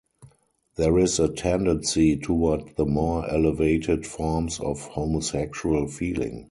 There is a tendency toward the more elevated forms of homosexual feeling.